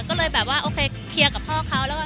ก็เลยแบบว่าโอเคเคลียร์กับพ่อเขาแล้ว